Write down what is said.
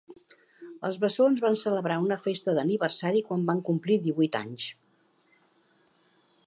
Els bessons van celebrar una festa d'aniversari quan va complir divuit anys.